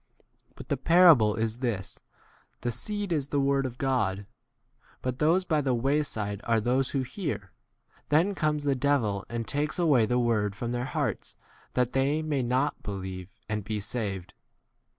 But the parable is this, The seed is the word of God. 12 But those by the wayside are those who hear : then comes the devil and takes away the word from their hearts that they may 13 not believe and be saved.